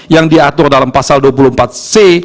yang diatur dalam pasal dua puluh empat c